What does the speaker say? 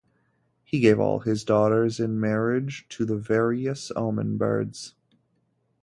He gave all his daughters in marriage to the various omen-birds.